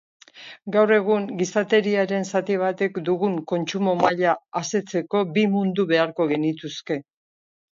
Gaur egun gizateriaren zati batek dugun kontsumo maila asetzeko bi mundu beharko genituzke.